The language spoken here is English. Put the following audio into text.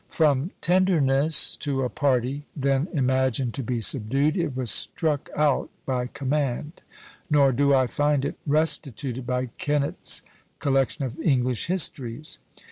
From tenderness to a party then imagined to be subdued, it was struck out by command, nor do I find it restituted in Kennett's Collection of English Histories.